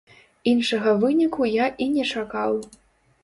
Іншага выніку я і не чакаў.